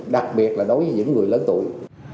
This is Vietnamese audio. đặc biệt là đối với những người lớn tuổi